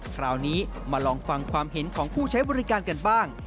คราวนี้มาลองฟังความเห็นของผู้ใช้บริการกันบ้าง